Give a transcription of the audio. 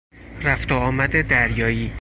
رفت و آمد دریایی